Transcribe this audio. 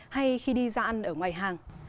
hay khi đi ra ăn ở ngoài hàng